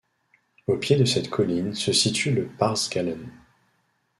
Au pied de cette colline se situe le Parth Galen.